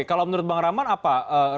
kalau menurut bang rahman apa